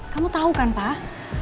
kamu tahu kan pak